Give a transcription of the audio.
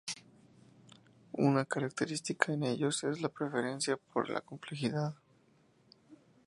Una característica en ellos es la preferencia por la complejidad.